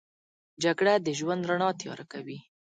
جګړه د ژوند رڼا تیاره کوي